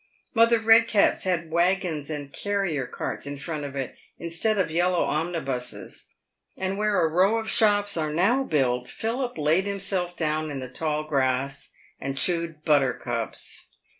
Mother Redcap's had waggons and carriers' carts PAVED WITH GOLD. 131 in front of it instead of yellow omnibuses, and where a row of shops are now built Philip laid himself down in the tall grass and chewed buttercups.